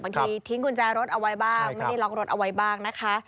บางทีทิ้งกุญแจรถเอาไว้บ้างไม่ได้ลองรถเอาไว้บ้าง